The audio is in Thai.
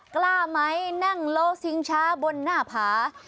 กล้าไหมนั่งโลชิงช้าบนหน้าผา